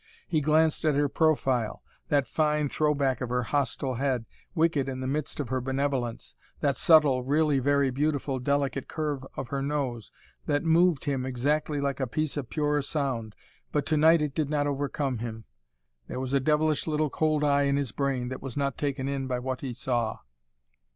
He glanced at her profile that fine throw back of her hostile head, wicked in the midst of her benevolence; that subtle, really very beautiful delicate curve of her nose, that moved him exactly like a piece of pure sound. But tonight it did not overcome him. There was a devilish little cold eye in his brain that was not taken in by what he saw.